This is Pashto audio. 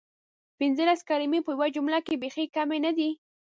پنځلس کلمې په یوې جملې کې بیخې کمې ندي؟!